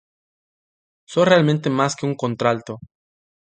Soy realmente más que una contralto.